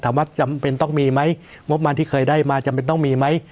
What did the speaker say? จำเป็นต้องมีไหมงบมารที่เคยได้มาจำเป็นต้องมีไหม